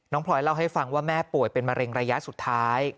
พลอยเล่าให้ฟังว่าแม่ป่วยเป็นมะเร็งระยะสุดท้าย